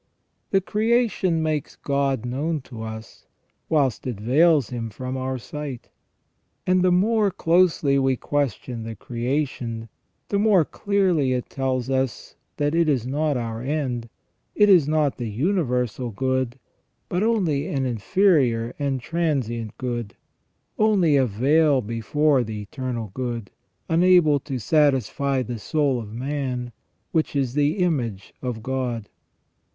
The creation makes God known to us, whilst it veils Him from our sight. And the more closely we question the creation, the more clearly it tells us that it is not our end, is not the universal good, but only an inferior and transient good, only a veil before the eternal good, unable to satisfy the soul of man, which is the image of God.